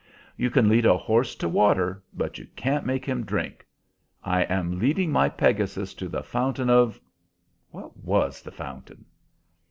"'You can lead a horse to water, but you can't make him drink.' I am leading my Pegasus to the fountain of what was the fountain?"